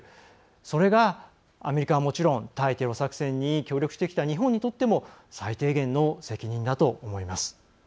それがアメリカはもちろん対テロ作戦に協力してきた日本にとっても最低限の責任だと思います。